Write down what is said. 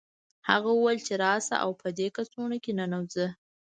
هغه وویل چې راشه او په دې کڅوړه کې ننوځه